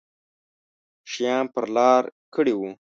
شیان پر لار کړي وو.